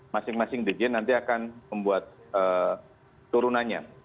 masing masing dirjen nanti akan membuat turunannya